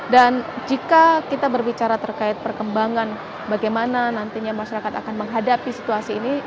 dan jika kita berbicara terkait perkembangan bagaimana nantinya masyarakat akan menghadapi situasi ini